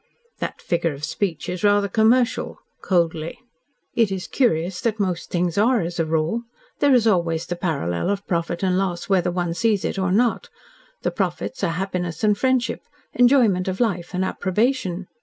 "The figure of speech is rather commercial," coldly. "It is curious that most things are, as a rule. There is always the parallel of profit and loss whether one sees it or not. The profits are happiness and friendship enjoyment of life and approbation.